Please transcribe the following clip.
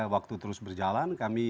waktu terus berjalan kami